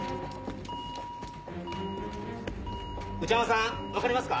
内山さん分かりますか？